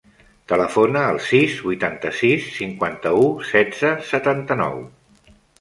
Telefona al sis, vuitanta-sis, cinquanta-u, setze, setanta-nou.